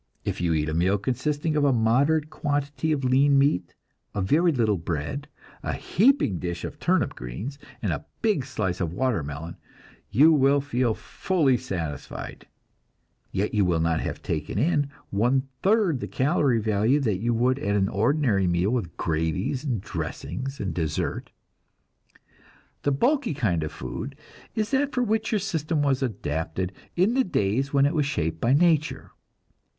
If you eat a meal consisting of a moderate quantity of lean meat, a very little bread, a heaping dish of turnip greens, and a big slice of watermelon, you will feel fully satisfied, yet you will not have taken in one third the calory value that you would at an ordinary meal with gravies and dressings and dessert. The bulky kind of food is that for which your system was adapted in the days when it was shaped by nature.